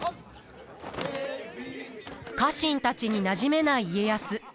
家臣たちになじめない家康。